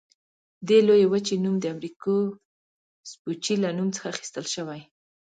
دې لویې وچې نوم د امریکو سپوچي له نوم څخه اخیستل شوی.